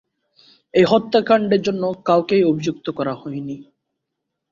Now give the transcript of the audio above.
এই হত্যাকাণ্ডের জন্য কাউকেই অভিযুক্ত করা হয়নি।